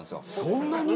そんなに？